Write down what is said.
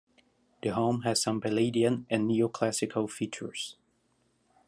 The home has some Palladian and Neoclassical features.